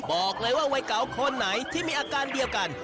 บอกเลยว่าวัยเก่าคนไหนที่มีอาการเดียวกัน